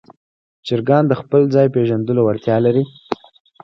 چرګان د خپل ځای پېژندلو وړتیا لري.